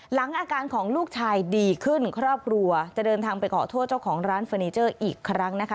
หลังอาการของลูกชายดีขึ้นครอบครัวจะเดินทางไปขอโทษเจ้าของร้านเฟอร์นิเจอร์อีกครั้งนะคะ